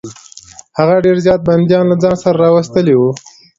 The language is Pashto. هغه ډېر زیات بندیان له ځان سره راوستلي وه.